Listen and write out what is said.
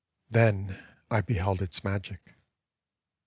Then I beheld its magic.